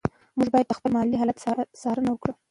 موږ باید د خپل مالي حالت څارنه وکړو.